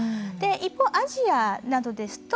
一方、アジアなどですと